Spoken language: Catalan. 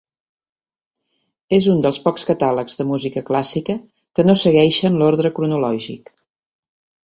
És un dels pocs catàlegs de música clàssica que no segueixen l'ordre cronològic.